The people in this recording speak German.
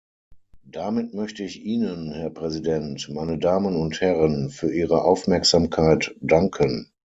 Damit möchte ich Ihnen, Herr Präsident, meine Damen und Herren, für Ihre Aufmerksamkeit danken.